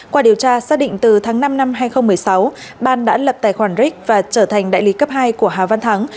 qua điều tra xác định từ tháng năm năm hai nghìn một mươi sáu ban đã lập tài khoản ric và trở thành đại lý cấp hai của hà văn thắng